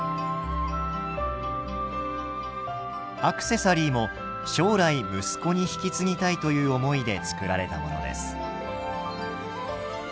アクセサリーも将来息子に引き継ぎたいという思いで作られたものです。